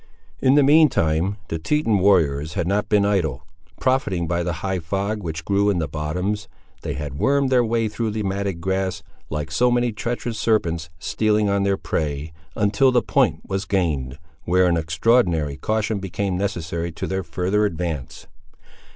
In the mean time the Teton warriors had not been idle. Profiting by the high fog which grew in the bottoms, they had wormed their way through the matted grass, like so many treacherous serpents stealing on their prey, until the point was gained, where an extraordinary caution became necessary to their further advance.